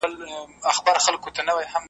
کله ناکله